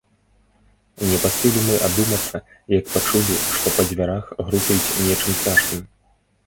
Не паспелі мы адумацца, як пачулі, што па дзвярах грукаюць нечым цяжкім.